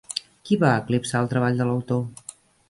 Qui va eclipsar el treball de l'autor?